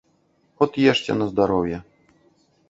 От ешце на здароўе.